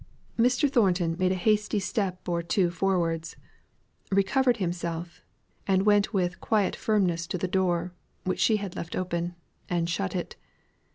Mr. Thornton made a hasty step or two forwards; recovered himself, and went with quiet firmness to the door (which she had left open), and shut it.